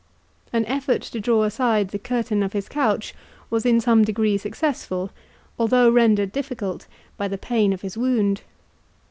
An effort to draw aside the curtain of his couch was in some degree successful, although rendered difficult by the pain of his wound.